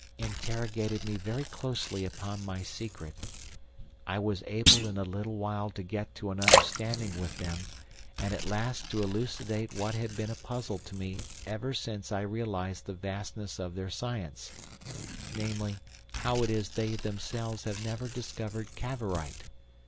"...interrogated me very closely upon my secret. I was able in a little while to get to an understanding with them, and at last to elucidate what has been a puzzle to me ever since I realised the vastness of their science, namely, how it is they themselves have never discovered Cavorite.